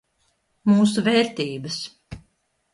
Mūsu vērtības.